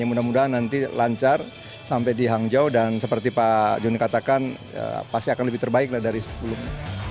mudah mudahan nanti lancar sampai di hangzhou dan seperti pak joni katakan pasti akan lebih terbaik dari sebelumnya